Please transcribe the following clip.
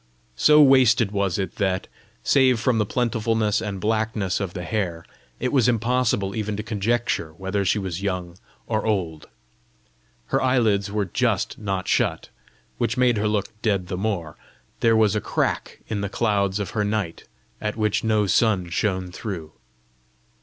So wasted was it that, save from the plentifulness and blackness of the hair, it was impossible even to conjecture whether she was young or old. Her eyelids were just not shut, which made her look dead the more: there was a crack in the clouds of her night, at which no sun shone through!